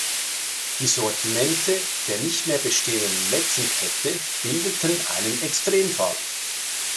Die Sortimente der nicht mehr bestehenden Metzen-Kette bildeten einen Extremfall.